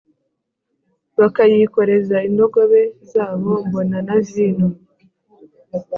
Bakayikoreza indogobe zabo mbona na vino